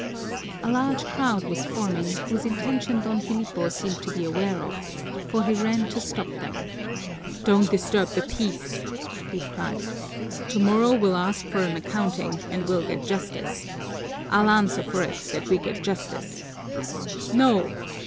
A large crowd was forming, whose intention Don Filipo seemed to be aware of, for he ran to stop them. "Don't disturb the peace!" he cried. "Tomorrow we'll ask for an accounting and we'll get justice. I'll answer for it that we get justice!" "No!"